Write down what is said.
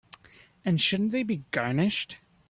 And shouldn't they be garnished?